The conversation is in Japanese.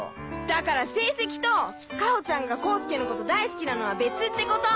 だから成績と果穂ちゃんが功介のこと大好きなのは別ってこと！